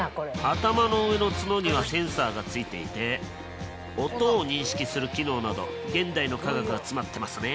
頭の上のツノにはセンサーが付いていて音を認識する機能など現代の科学が詰まってますね。